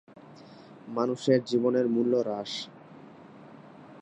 মানুষের জীবনের মূল্য হ্রাস?